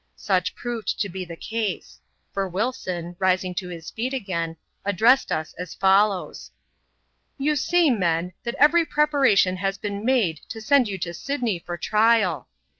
Such proved to be the case ; for Wilson, rising to his feet again, addressed us as follows :—" You see, men, that every preparation has been made to send you to Sydney for trial.